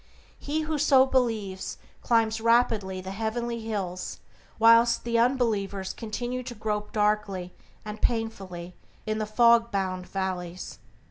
He who so believes, climbs rapidly the heavenly hills, whilst the unbelievers continue to grope darkly and painfully in the fog bound valleys.